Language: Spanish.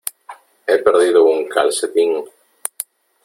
He perdido un calcetín.